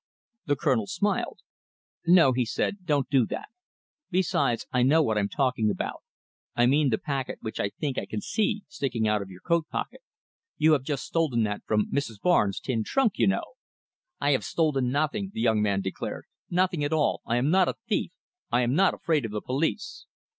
The Colonel smiled. "No," he said, "don't do that. Besides, I know what I'm talking about. I mean the packet which I think I can see sticking out of your coat pocket. You have just stolen that from Mrs. Barnes' tin trunk, you know." "I have stolen nothing," the young man declared, "nothing at all. I am not a thief. I am not afraid of the police."